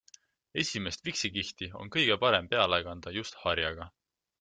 Esimest viksikihti on kõige parem peale kanda just harjaga.